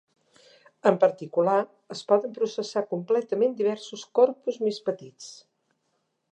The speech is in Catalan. En particular, es poden processar completament diversos corpus més petits.